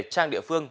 trang địa phương